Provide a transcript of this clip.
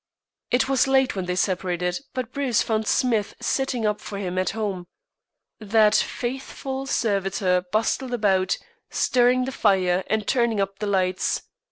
It was late when they separated, but Bruce found Smith sitting up for him at home. That faithful servitor bustled about, stirring the fire and turning up the lights.